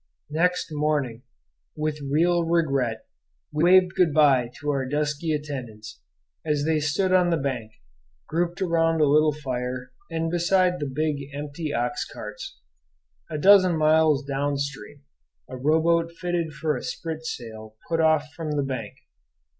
Next morning, with real regret, we waved good by to our dusky attendants, as they stood on the bank, grouped around a little fire, beside the big, empty ox carts. A dozen miles down stream a rowboat fitted for a sprit sail put off from the bank.